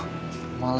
duh males banget